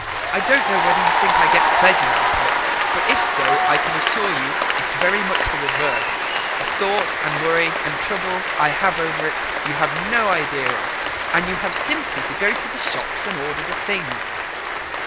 I don't know whether you think I get any pleasure out of it, but if so I can assure you it's very much the reverse. The thought and worry and trouble I have over it you have no idea of, and you have simply to go to the shops and order the things."